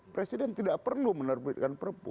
presiden tidak perlu menerbitkan perpu